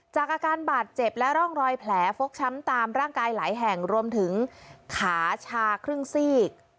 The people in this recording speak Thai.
อาการบาดเจ็บและร่องรอยแผลฟกช้ำตามร่างกายหลายแห่งรวมถึงขาชาครึ่งซีก